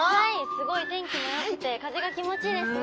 すごい天気もよくて風が気持ちいいですね。